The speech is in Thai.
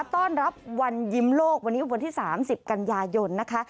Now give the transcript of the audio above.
ต้อนรับวันยิ้มโลกวันนี้วันที่๓๐กันยายนนะคะ